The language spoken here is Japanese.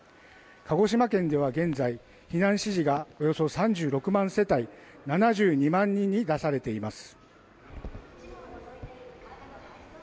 鹿児島県では現在、避難指示がおよそ３６万世帯、７２万人に出されています。